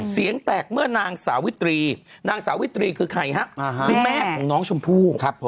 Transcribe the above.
เสียงแตกเมื่อนางสาวิตรีนางสาวิตรีคือใครฮะคือแม่ของน้องชมพู่